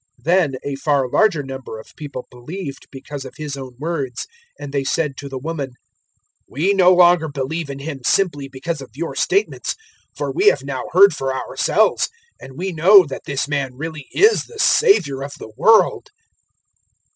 004:041 Then a far larger number of people believed because of His own words, 004:042 and they said to the woman, "We no longer believe in Him simply because of your statements; for we have now heard for ourselves, and we know that this man really is the Saviour of the world."